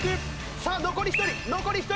さあ残り１人残り１人！